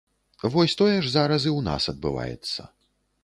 Вось тое ж зараз і ў нас адбываецца.